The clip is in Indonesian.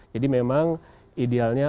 jadi memang idealnya